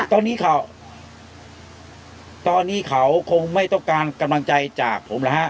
ตอนนี้เขาตอนนี้เขาคงไม่ต้องการกำลังใจจากผมแล้วฮะ